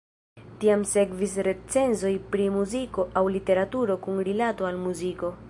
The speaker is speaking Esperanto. Tiam sekvis recenzoj pri muziko aŭ literaturo kun rilato al muziko.